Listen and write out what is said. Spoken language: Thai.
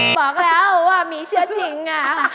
บอกแล้วว่ามีชื่อจริง